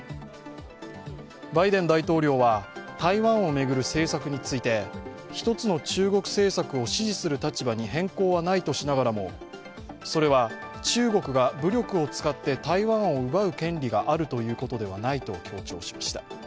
バイデン大統領は台湾を巡る政策について一つの中国政策を支持する立場に変更はないとしながらもそれは中国が武力を使って台湾を奪う権利があるということではないと強調しました。